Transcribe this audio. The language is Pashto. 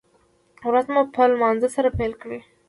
ورځ مو په لمانځه سره پیل کړئ